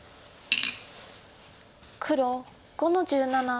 黒５の十七。